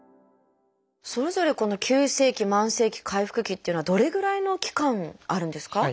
それぞれこの急性期慢性期回復期っていうのはどれぐらいの期間あるんですか？